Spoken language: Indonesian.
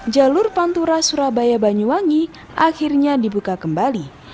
jalur pantura surabaya banyuwangi akhirnya dibuka kembali